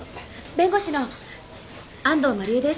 弁護士の安藤麻理恵です。